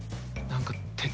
何か。